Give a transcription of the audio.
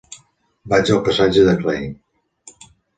Vaig al passatge de Klein.